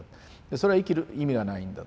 それは生きる意味がないんだ。